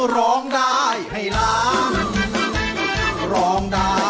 ร้องได้ให้หลาน